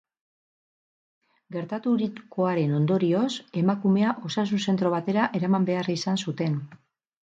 Gertaturikoaren ondorioz, emakumea osasun-zentro batera eraman behar izan zuten.